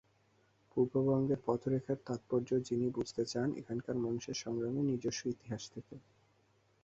পূর্ববঙ্গের পথরেখার তাৎপর্য তিনি বুঝতে চান এখানকার মানুষের সংগ্রামের নিজস্ব ইতিহাস থেকে।